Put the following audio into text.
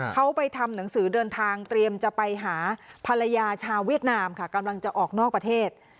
เขาไปทำหนังสือเดินทางเตรียมจะไปหาภรรยาชาวเวียดนามค่ะกำลังจะออกนอกประเทศ